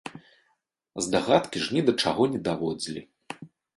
Здагадкі ж ні да чаго не даводзілі.